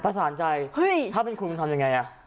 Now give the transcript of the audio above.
ประสานใจไงถ้าเป็นคุณคุณทำยังไงอะ